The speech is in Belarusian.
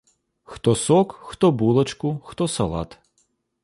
Хто сок, хто булачку, хто салат.